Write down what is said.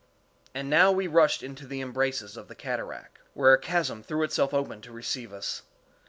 And now we rushed into the embraces of the cataract, where a chasm threw itself open to receive us.